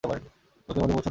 কালকের মধ্যে পৌছাতে পারব?